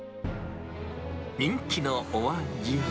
人気のお味は。